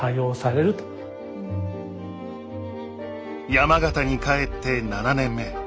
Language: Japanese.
山形に帰って７年目。